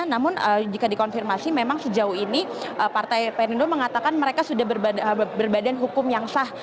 namun jika dikonfirmasi memang sejauh ini partai perindo mengatakan mereka sudah berbadan hukum yang sah